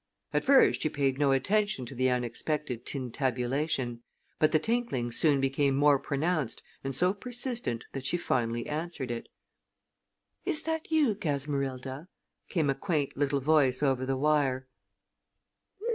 At first she paid no attention to the unexpected tintinnabulation, but the tinkling soon became more pronounced and so persistent that she finally answered it. "Is that you, Gasmerilda?" came a quaint little voice over the wire.